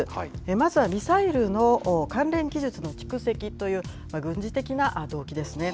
まずはミサイルの関連技術の蓄積という軍事的な動機ですね。